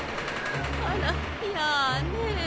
あらやあねえ。